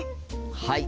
はい！